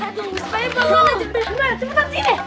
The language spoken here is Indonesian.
aduh sebaiknya belum lanjut